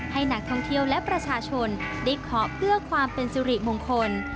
ให้นักท่องเที่ยวและประชาชนได้เคาะเพื่อความเป็นสิริมงคล